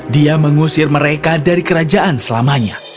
dia mengusir mereka dari kerajaan selamanya